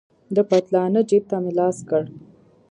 د پتلانه جيب ته مې لاس کړ.